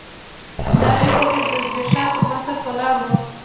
دا لوی تولید د ځبېښاک پر بنسټ ولاړ و.